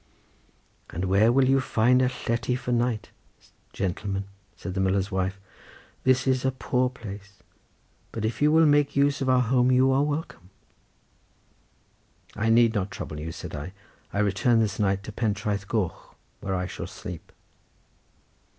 "And where will you find a lletty for night, gentleman?" said the miller's wife. "This is a poor place, but if you will make use of our home you are welcome." "I need not trouble you," said I, "I return this night to Pentraeth Goch where I shall sleep."